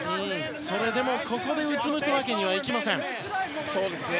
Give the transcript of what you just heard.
それでも、ここでうつむくわけにはいきません。